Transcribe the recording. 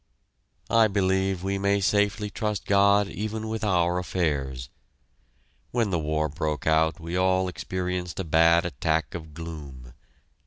I believe we may safely trust God even with our affairs. When the war broke out we all experienced a bad attack of gloom.